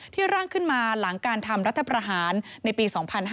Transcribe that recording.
ร่างขึ้นมาหลังการทำรัฐประหารในปี๒๕๕๙